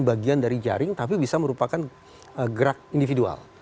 bagian dari jaring tapi bisa merupakan gerak individual